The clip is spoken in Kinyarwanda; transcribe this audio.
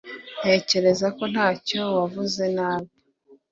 Ntekereza ko ntacyo wavuze nabi